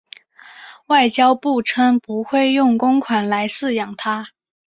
外交部称不会用公款来饲养它。